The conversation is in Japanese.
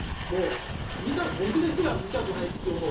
見た僕ですら見たくないって思う。